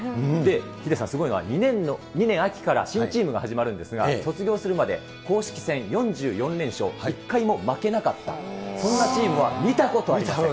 ヒデさん、すごいのは２年秋から新チームが始まるんですが、卒業するまで公式戦４４連勝、一回も負けなかった、そんなチームは見たことありません。